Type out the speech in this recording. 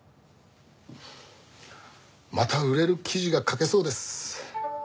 また売れる記事が書けそうです。